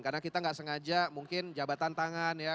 karena kita gak sengaja mungkin jabatan tangan ya